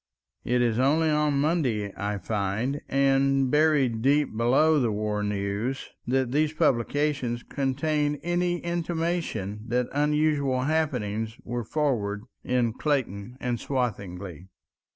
... It is only on Monday I find, and buried deep below the war news, that these publications contain any intimation that unusual happenings were forward in Clayton and Swathinglea.